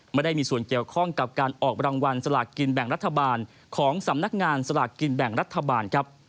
ไม่ได้มีส่วนเกี่ยวข้องกับการออกรางวัลสลากกินแบ่งรัฐบาลของสำนักงานสลากกินแบ่งรัฐบาลครับ